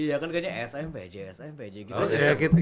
iya kan kayaknya smpj smpj gitu